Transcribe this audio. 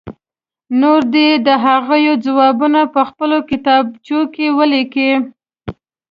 نور دې د هغو ځوابونه په خپلو کتابچو کې ولیکي.